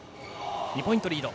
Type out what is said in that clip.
２ポイントリード。